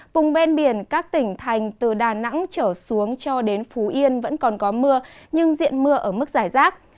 vùng ven biển các tỉnh thành từ đà nẵng trở xuống cho đến phú yên vẫn còn có mưa nhưng diện mưa ở mức giải rác